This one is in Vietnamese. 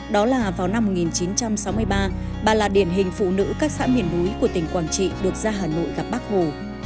đó là vào năm một nghìn chín trăm sáu mươi ba bà là điển hình phụ nữ các xã miền núi của tỉnh quảng trị được ra hà nội gặp bác hồ